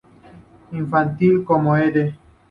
Infantil como Ed.